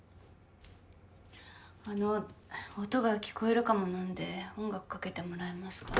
あの音が聞こえるかもなんで音楽かけてもらえますか？